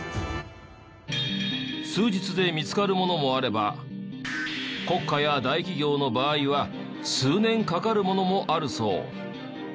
数日で見つかるものもあれば国家や大企業の場合は数年かかるものもあるそう。